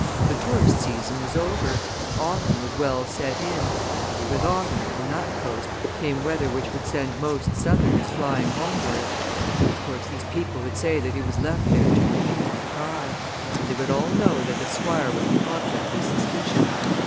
The tourist season was over: Autumn was well set in; with Autumn, on that coast, came weather which would send most southerners flying homewards. Of course, these people would say that he was left there to peep and pry and they would all know that the Squire was the object of suspicion.